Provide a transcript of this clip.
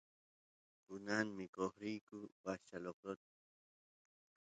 kunan mikoq riyku washcha lokro